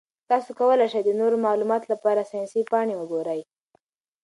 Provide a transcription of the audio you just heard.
تاسو کولی شئ د نورو معلوماتو لپاره ساینسي پاڼې وګورئ.